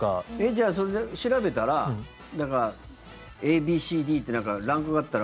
じゃあ、調べたらだから、ＡＢＣＤってランクがあったら。